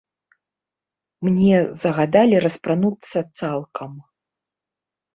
Мне загадалі распрануцца цалкам.